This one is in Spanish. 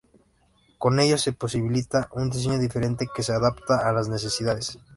Con ello, se posibilita un diseño diferente que se adapta a las necesidades.